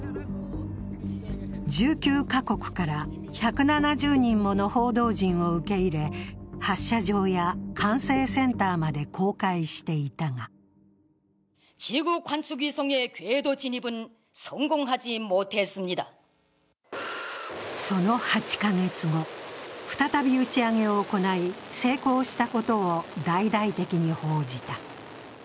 １９か国から１７０人もの報道陣を受け入れ、発射場や管制センターまで公開していたがその８か月後、再び打ち上げを行い成功したことを大々的に報じた。